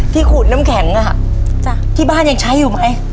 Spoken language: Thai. ขูดน้ำแข็งที่บ้านยังใช้อยู่ไหม